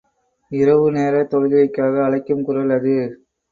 இரவு நேரத் தொழுகைக்காக அழைக்கும் குரல் அது.